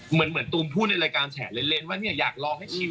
เหมือนตูมพูดในรายการแฉะเล่นว่าเนี่ยอยากลองให้ชิม